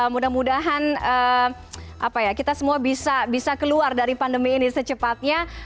mudah mudahan kita semua bisa keluar dari pandemi ini secepatnya